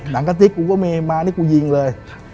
หนังกาทิกกูก็มีมานี่กูยิงเลย